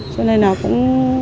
cho nên là cũng